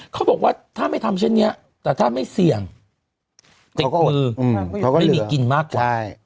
เขาบอกว่าถ้าไม่ทำเช่นนี้แต่ถ้าไม่เสี่ยงติดมือไม่มีกินมากกว่า